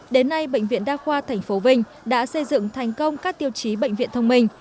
đến nay bệnh viện đa khoa tp vinh đã xây dựng thành công các tiêu chí bệnh viện thông minh